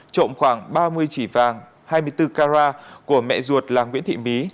trộn khoảng ba mươi chỉ vàng hai mươi bốn carat của mẹ ruột là nguyễn thị mí